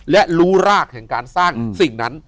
และรู้รากแห่งการสร้างสิ่งนั้น